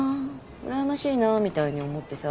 うらやましいなみたいに思ってさ。